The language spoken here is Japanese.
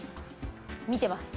見てます。